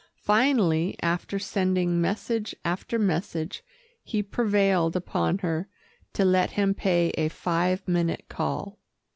Finally, after sending message after message, he prevailed upon her to let him pay a five minute call.